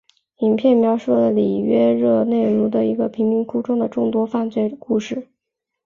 影片描述里约热内卢的一个贫民窟中的众多犯罪故事。